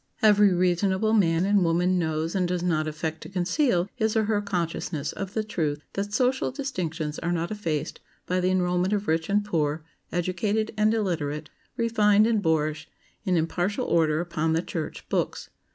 Every reasonable man and woman knows and does not affect to conceal his or her consciousness of the truth that social distinctions are not effaced by the enrolment of rich and poor, educated and illiterate, refined and boorish, in impartial order upon the "church books."